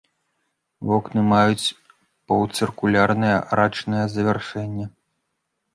Вокны маюць паўцыркульнае арачнае завяршэнне.